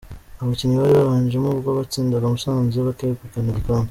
Abakinnyi bari babanjemo ubwo batsindaga Musanze bakegukana igikombe.